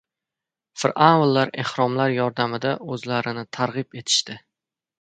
Fir’avnlar ehromlar yordamida o‘zlarini targ‘ib etishdi.